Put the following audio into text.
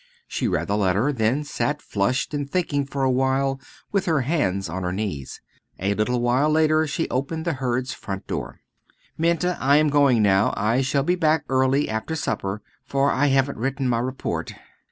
She read the letter, then sat flushed and thinking for a while with her hands on her knees. A little while later she opened the Hurds' front door. "Minta, I am going now. I shall be back early after supper, for I haven't written my report."